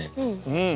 うん。